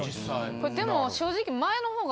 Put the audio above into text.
これでも正直。